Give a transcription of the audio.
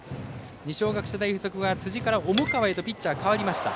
二松学舎大付属は辻から重川へとピッチャー代わりました。